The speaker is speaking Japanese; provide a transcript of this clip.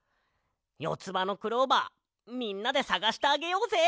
よつばのクローバーみんなでさがしてあげようぜ！